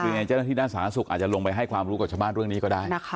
คือในเจ้าหน้าที่ด้านสถานศักดิ์ศุกร์อาจจะลงไปให้ความรู้กับชาวบ้านเรื่องนี้ก็ได้